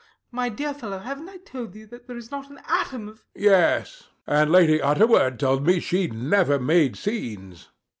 My dear fellow, haven't I told you that there is not an atom of HECTOR. Yes. And Lady Utterword told me she never made scenes.